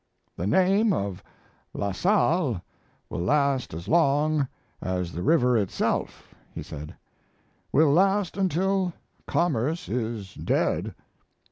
"The name of La Salle will last as long as the river itself," he said; "will last until commerce is dead.